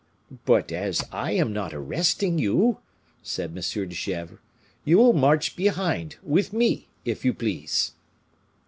"But as I am not arresting you," said M. de Gesvres, "you will march behind, with me, if you please."